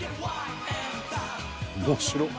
面白っ！